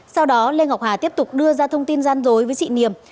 sau đó lê ngọc hà tiếp tục đưa ra thông tin gian dối với chị niềm